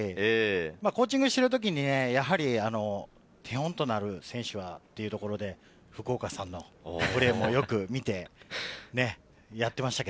コーチングしている時に手本となる選手は福岡さんのプレーもよく見てやっていました。